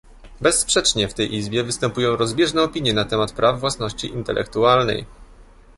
Bezsprzecznie w tej Izbie występują rozbieżne opinie na temat praw własności intelektualnej